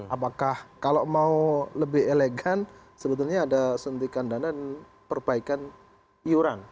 apakah kalau mau lebih elegan sebetulnya ada suntikan dana dan perbaikan iuran